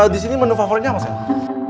disini menu favoritnya apa sel